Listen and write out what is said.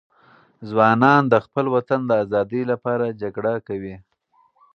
ځوانان د خپل وطن د آزادي لپاره جګړه کوي.